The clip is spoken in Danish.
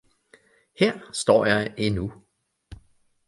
Her står jeg endnu!